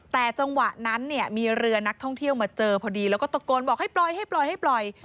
แต่จังหวะนั้นเนี่ยมีเรือนักท่องเที่ยวมาเจอพอดีแล้วก็ตะโกนบอกให้ปล่อยให้ปล่อยให้ปล่อย